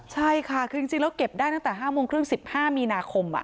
ใช่ค่ะคือจริงแล้วเก็บได้ตั้งแต่๕โมงครึ่ง๑๕มีนาคม